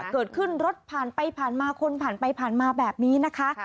เกิดขึ้นรถผ่านไปผ่านมาคนผ่านไปผ่านมาแบบนี้นะคะ